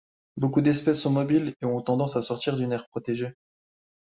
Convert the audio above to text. Beaucoup d'espèces sont mobiles et ont tendance à sortir d'une aire protégée.